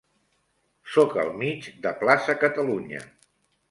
Soc al mig de Plaça Catalunya.